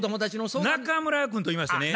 中村君といいましてね。